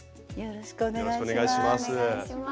よろしくお願いします。